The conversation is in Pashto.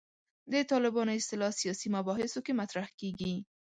د طالبانو اصطلاح سیاسي مباحثو کې مطرح کېږي.